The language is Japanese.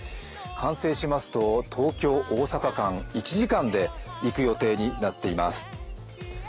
完成しますと、東京−大阪間１時間で行く予定になっています。